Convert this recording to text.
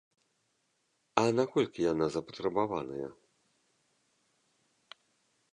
А наколькі яна запатрабаваная?